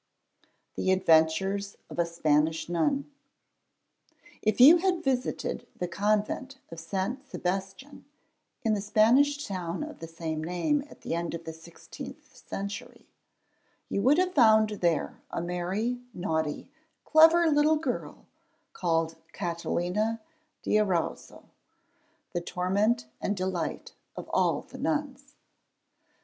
THE ADVENTURES OF A SPANISH NUN If you had visited the convent of St. Sebastian in the Spanish town of the same name at the end of the sixteenth century, you would have found there a merry, naughty, clever little girl called Catalina de Erauso, the torment and delight of all the nuns.